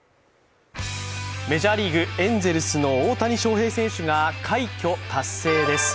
メジャーリーグ、エンゼルスの大谷翔平選手が快挙達成です。